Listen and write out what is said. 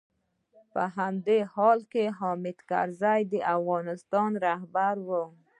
په همدې حال کې حامد کرزی د افغانستان رهبر و.